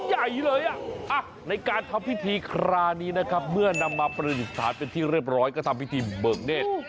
ใหญ่เลยอ่ะในการทำพิธีคราวนี้นะครับเมื่อนำมาประดิษฐานเป็นที่เรียบร้อยก็ทำพิธีเบิกเนธ